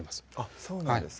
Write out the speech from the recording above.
そうなんですか